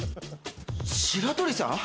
白鳥さん！？